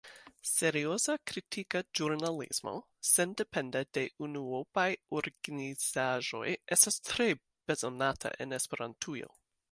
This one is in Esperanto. Serioza kritika ĵurnalismo, sendependa de unuopaj organizaĵoj, estas tre bezonata en Esperantujo.